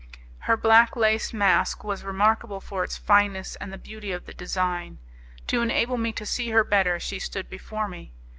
Her black lace mask was remarkable for its fineness and the beauty of the design. To enable me to see her better she stood before me.